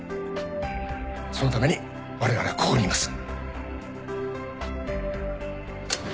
そのためにわれわれはここにいます